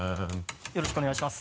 よろしくお願いします。